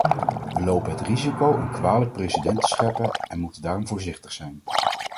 We lopen het risico een kwalijk precedent te scheppen en moeten daarom voorzichtig zijn.